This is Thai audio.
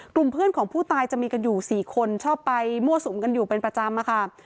กลุ่มเพื่อนของผู้ตายจะมีกันอยู่๔คนชอบไปมั่วสุมกันอยู่เป็นประจำอะค่ะ